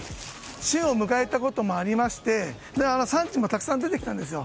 旬を迎えたこともありまして産地もたくさん出てきたんですよ。